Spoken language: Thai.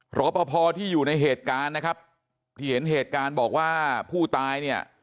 รอปภที่อยู่ในเหตุการณ์นะครับที่เห็นเหตุการณ์บอกว่าผู้ตายเนี่ย